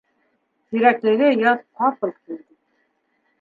Тирәклегә яҙ ҡапыл килде.